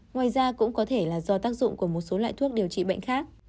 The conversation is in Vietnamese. ngoài ra cũng có thể là do tác dụng của một số loại thuốc điều trị bệnh khác